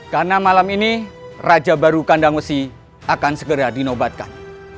karena malam ini raja baru kandang wesi akan segera dinobatkan